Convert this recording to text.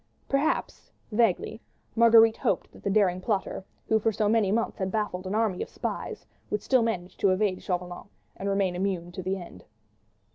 Perhaps—vaguely—Marguerite hoped that the daring plotter, who for so many months had baffled an army of spies, would still manage to evade Chauvelin and remain immune to the end.